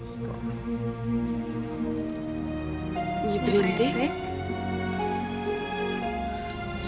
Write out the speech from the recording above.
semoga makhluk melatih